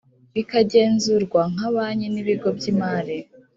bikagenzurwa nka banki n ibigo by imari